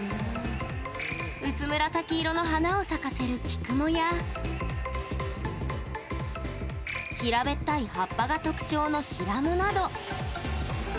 薄紫色の花を咲かせるキクモや平べったい葉っぱが特徴のヒラモなど。